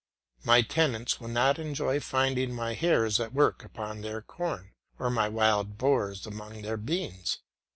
My tenants will not enjoy finding my hares at work upon their corn, or my wild boars among their beans.